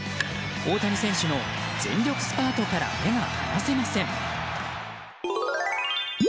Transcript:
大谷選手の全力スパートから目が離せません。